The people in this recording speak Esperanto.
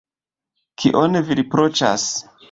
Kion vi riproĉas?